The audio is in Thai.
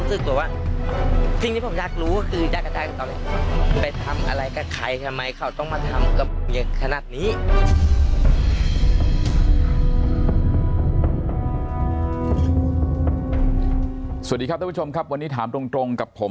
สวัสดีครับทุกผู้ชมครับวันนี้ถามตรงกับผม